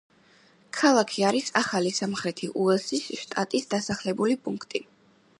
ქალაქი არის ახალი სამხრეთი უელსის შტატის დასახლებული პუნქტი.